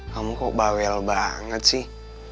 kamu kok bawel banget sih